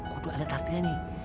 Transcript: kudu ada tatian nih